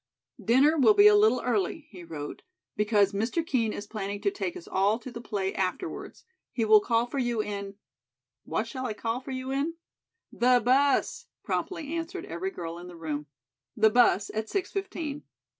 '" "'Dinner will be a little early,'" he wrote, "'because Mr. Kean is planning to take us all to the play afterwards. He will call for you in' what shall I call for you in?" "The bus," promptly answered every girl in the room. "' the bus at six fifteen.